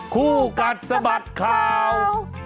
คู่กัดสะบัดข่าว